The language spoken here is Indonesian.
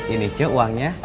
ini cik uangnya